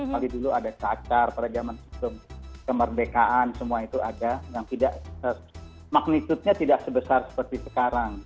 pada dulu ada cacar perjalanan kemerdekaan semua itu ada yang tidak magnitude nya tidak sebesar seperti sekarang